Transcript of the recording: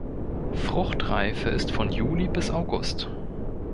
Fruchtreife ist von Juli bis August.